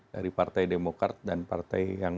dari partai demokrat dan partai yang